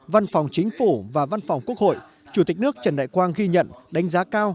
văn phòng chính phủ và văn phòng quốc hội chủ tịch nước trần đại quang ghi nhận đánh giá cao